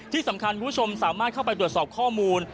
ที่สำคัญคุณผู้ชมสามารถเข้าไปตรวจสอบข้อมูล